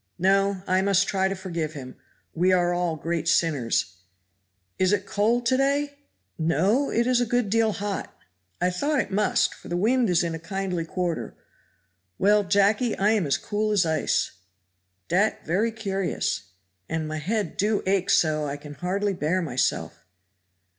"No! I must try to forgive him; we are all great sinners; is it cold to day?" "No! it is a good deal hot "I thought it must, for the wind is in a kindly quarter. Well, Jacky, I am as cool as ice." "Dat very curious." "And my head do ache so I can hardly bear myself."